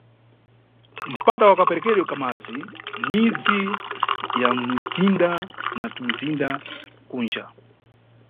Mpata wa kaperekedwe ka madzi mʼmidzi ya mʼmizinda na tumizinda kunja.